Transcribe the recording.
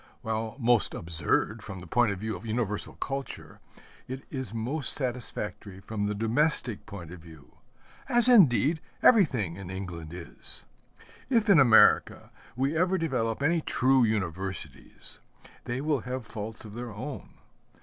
While most absurd from the point of view of universal culture, it is most satisfactory from the domestic point of view as indeed everything in England is. If in America we ever develop any true universities, they will have faults of their own.